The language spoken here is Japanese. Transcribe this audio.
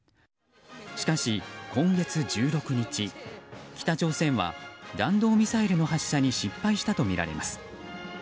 しかし、今月１６日、北朝鮮は弾道ミサイルの発射に失敗したとみられます。